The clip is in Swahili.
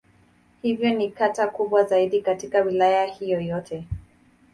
Hivyo ni kata kubwa zaidi katika Wilaya hiyo yote.